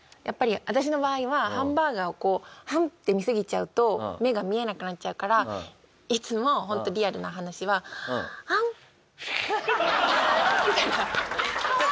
やっぱり私の場合はハンバーガーをこうはむって見すぎちゃうと目が見えなくなっちゃうからいつもホントリアルな話は「はむっああ！」